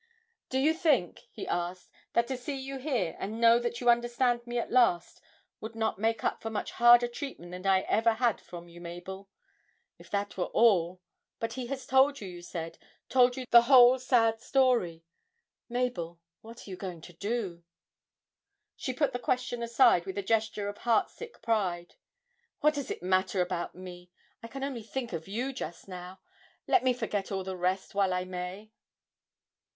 'Do you think,' he asked, 'that to see you here, and know that you understand me at last, would not make up for much harder treatment than I ever had from you, Mabel? If that were all but he has told you, you said, told you the whole sad story. Mabel what are you going to do?' She put the question aside with a gesture of heart sick pride: 'What does it matter about me? I can only think of you just now let me forget all the rest while I may!'